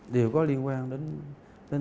đều có liên quan đến